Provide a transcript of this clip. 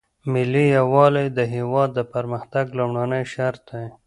ملي یووالی د هیواد د پرمختګ لومړنی شرط دی.